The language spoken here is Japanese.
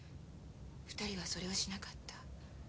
２人はそれをしなかった。